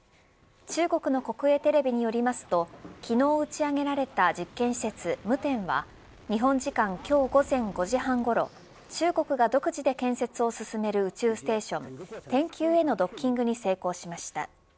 中国の国営テレビによりますと昨日打ち上げられた実験施設、夢天は日本時間、今日午前５時半ごろ中国が独自で建設を進める宇宙ステーション天宮へのドッキングに成功しました。